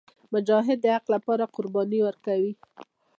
مجاهد د حق لپاره قرباني ورکوي.